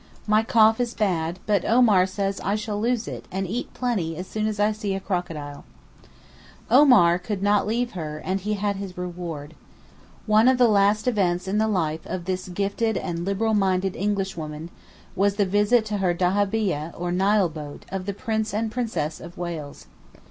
"My cough is bad; but Omar says I shall lose it and 'eat plenty' as soon as I see a crocodile." 'Omar "could not leave her," and he had his reward. One of the last events in the life of this gifted and liberal minded Englishwoman was the visit to her dahabeeyeh, or Nile boat, of the Prince and Princess of Wales.